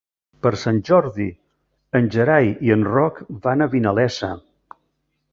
Per Sant Jordi en Gerai i en Roc van a Vinalesa.